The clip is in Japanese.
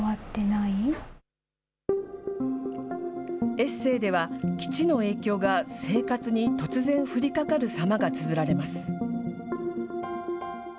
エッセーでは、基地の影響が生活に突然降りかかる様がつづられます。